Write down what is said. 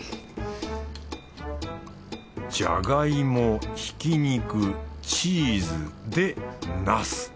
じゃがいもひき肉チーズでナス。